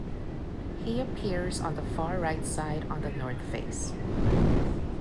He appears on the far right side on the north face.